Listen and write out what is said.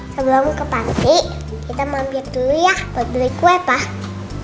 sebelum ke panti kita mampir dulu ya buat beli kue tah